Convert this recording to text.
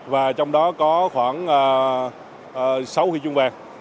và trong đó có khoảng sáu huy chương bạc